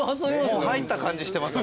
もう入った感じしてます。